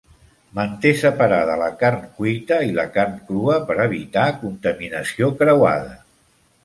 Mantén separada la carn cuita i la carn crua per evitar contaminació creuada.